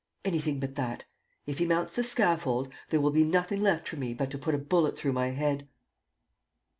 ... Anything but that! If he mounts the scaffold, there will be nothing left for me but to put a bullet through my head."